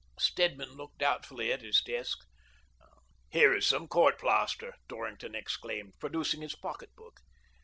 Stedman looked doubtfully at his desk. "Here is some court plaster," Dorrington ex claimed, producing his pocket book.